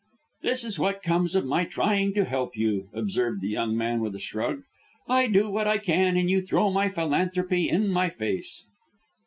"This is what comes of my trying to help you," observed the young man with a shrug. "I do what I can and you throw my philanthropy in my face."